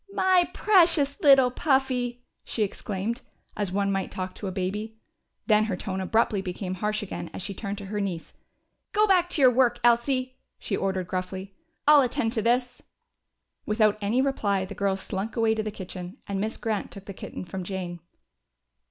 "My precious little Puffy!" she exclaimed, as one might talk to a baby. Then her tone abruptly became harsh again as she turned to her niece. "Go back to your work, Elsie!" she ordered gruffly. "I'll attend to this!" Without any reply the girl slunk away to the kitchen, and Miss Grant took the kitten from Jane.